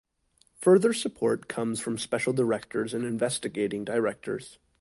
Further support comes from Special Directors and Investigating Directors.